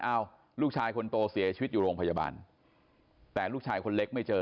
ลูกชายคนโตเสียชีวิตอยู่โรงพยาบาลแต่ลูกชายคนเล็กไม่เจอ